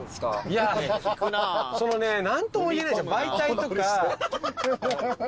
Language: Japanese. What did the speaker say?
そのね何とも言えない媒体とか。